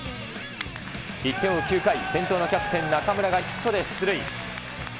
１点を追う９回、先頭のキャプテン、中村がヒットで出塁。